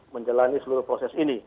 menjalani seluruh proses ini